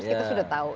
kita sudah tahu